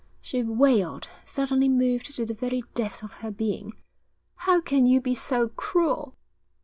she wailed, suddenly moved to the very depths of her being. 'How can you be so cruel?'